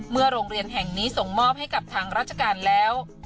โรงเรียนแห่งนี้ส่งมอบให้กับทางราชการแล้ว